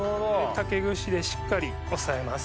竹串でしっかり押さえます。